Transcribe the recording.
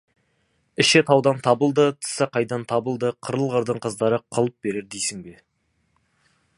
Іші таудан табылды, тысы қайдан табылды, қырылғырдың қыздары қылып берер дейсің бе?!